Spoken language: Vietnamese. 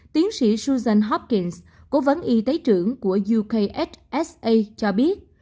tiến sĩ susan hopkins cố vấn y tế trưởng của ukhsa cho biết